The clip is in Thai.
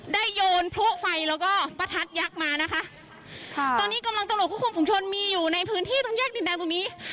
โยนพลุไฟแล้วก็ประทัดยักษ์มานะคะค่ะตอนนี้กำลังตำรวจควบคุมฝุงชนมีอยู่ในพื้นที่ตรงแยกดินแดงตรงนี้